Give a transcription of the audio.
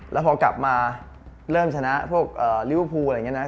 แล้วพอกลับมาเริ่มชนะพวกลิเวอร์พูลอะไรอย่างนี้นะ